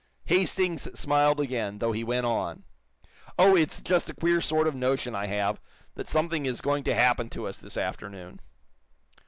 Hastings smiled again, though he went on: "Oh, it's just a queer sort of notion I have that something is going to happen to us this afternoon."